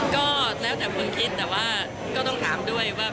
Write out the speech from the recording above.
ก็แล้วแต่คนคิดแต่ว่าก็ต้องถามด้วยว่า